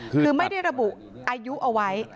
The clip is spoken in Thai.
คือไม่ได้ระบุอายุเอาไว้